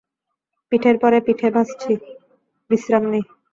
পিঠের পরে পিঠে ভাজছি, বিশ্রাম নেই।